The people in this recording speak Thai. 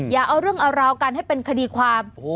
อย่าเอาเรื่องเอาราวกันให้เป็นคดีความ